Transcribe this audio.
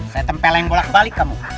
saya tempel yang bolak balik kamu